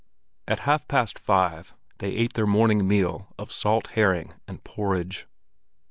At half past five they ate their morning meal of salt herring and porridge.